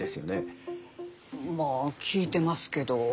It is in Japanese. まあ聞いてますけど。